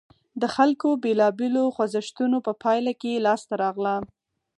د خلکو بېلابېلو خوځښتونو په پایله کې لاسته راغله.